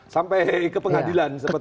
sampai ke pengadilan sebetulnya